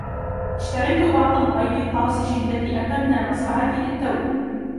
اشتريت بعض البيض الطازج الذي أتى من المزرعة للتو.